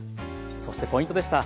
そしてポイントでした。